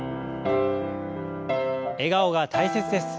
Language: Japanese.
笑顔が大切です。